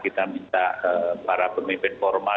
kita minta para pemimpin formal